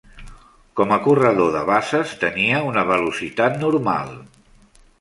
Com a corredor de bases, tenia una velocitat normal.